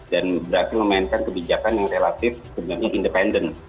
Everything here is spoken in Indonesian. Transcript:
dan berarti memainkan kebijakan yang relatif dengan yang independen